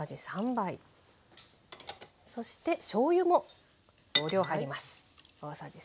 そしてしょうゆも同量入ります。